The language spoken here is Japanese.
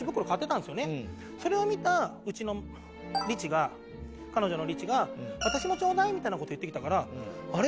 それを見たうちのリチが彼女のリチが「私もちょうだい！」みたいな事言ってきたから「あれ？